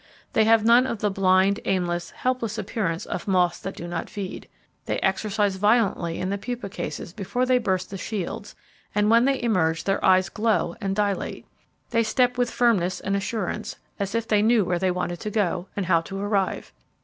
They have none of the blind, aimless, helpless appearance of moths that do not feed. They exercise violently in the pupa cases before they burst the shields, and when they emerge their eyes glow and dilate. They step with firmness and assurance, as if they knew where they wanted to go, and how to arrive.